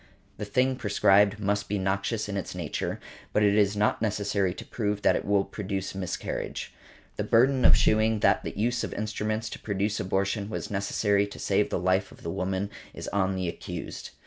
The thing prescribed must be noxious in its nature, but it is not necessary to prove that it will produce miscarriage . The burden of shewing that the use of instruments to produce abortion was necessary to save the life of the woman is on the accused .